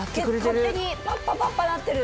パッパパッパなってる。